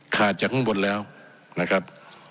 จากข้างบนแล้วนะครับ